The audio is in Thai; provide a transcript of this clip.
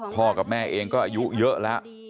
กับแม่เองก็อายุเยอะแล้ว